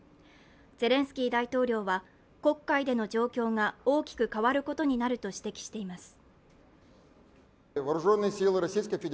ゼレンスキー大統領は、黒海での状況が大きく変わることになると指摘しています。